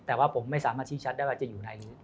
แต่ว่าผมไม่สามารถชี้ชัดได้ว่าจะอยู่ไหน